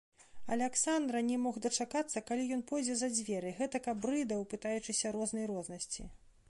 Аляксандра не мог дачакацца, калі ён пойдзе за дзверы, гэтак абрыдаў, пытаючыся рознай рознасці.